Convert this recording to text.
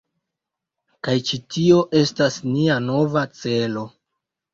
Kaj ĉi tio estas nia nova celo